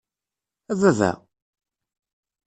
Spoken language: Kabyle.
A baba!